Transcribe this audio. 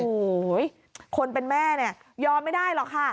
โอ้โหคนเป็นแม่เนี่ยยอมไม่ได้หรอกค่ะ